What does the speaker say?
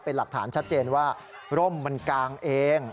เป็นหลักฐานชัดเจนว่าร่มมันกางเอง